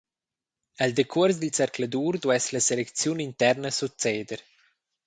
El decuors dil zercladur duess la selecziun interna succeder.